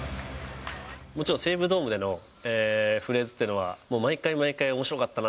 もちろん西武ドームでのフレーズというのは、もう毎回、毎回、おもしろかったな。